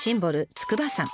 筑波山。